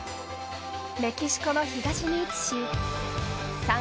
メキシコの東に位置しさん